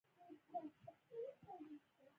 زده کړه یوازې په حقیقتونو پوهېدل نه دي.